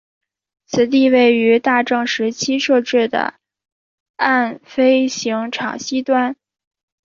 此地位于大正时期设置的岸飞行场西端。